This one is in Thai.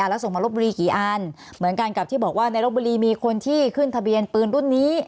แล้วส่งมารบบุรีกี่อันเหมือนกันกับที่บอกว่าในรบบุรีมีคนที่ขึ้นทะเบียนปืนรุ่นนี้